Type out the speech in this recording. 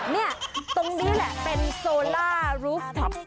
เนี่ยตรงนี้แหละเป็นโซล่ารูฟท็อป